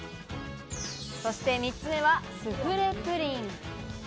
そして３つ目はスフレ・プリン。